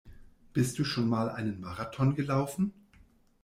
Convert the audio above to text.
Bist du schon mal einen Marathon gelaufen?